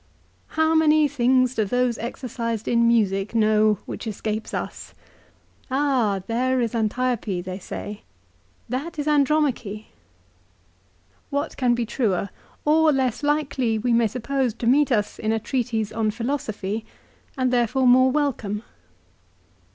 How many things do those exercised in music know which escape us. ' Ah there is Antiope ' they say ;' that is Andromache.' " l What can be truer, or less likely, we may suppose, to meet us in a treatise on philosophy, and therefore more welcome